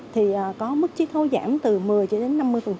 thì có mức trí thấu giảm từ một mươi cho đến năm mươi